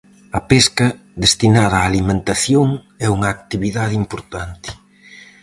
A pesca, destinada á alimentación, é unha actividade importante.